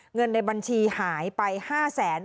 เงินในบัญชีหายไป๕แสน